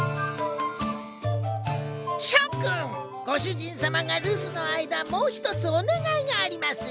ご主人様が留守の間もう一つお願いがありますニャ。